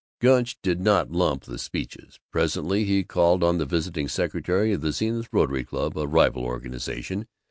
Gunch did not lump the speeches. Presently he called on the visiting secretary of the Zenith Rotary Club, a rival organization.